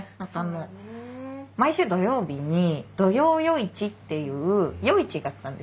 そうだねえ。毎週土曜日に土曜夜市っていう夜市があったんですよ。